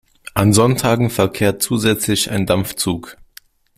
An Sonntagen verkehrt zusätzlich ein Dampfzug.